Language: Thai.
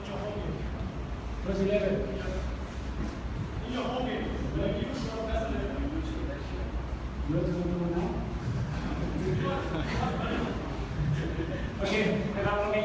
จริงนี่พี่โก้ไม่ได้เล่นสุดท้ายแล้วนะ